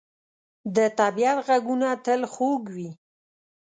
د طبیعت ږغونه تل خوږ وي.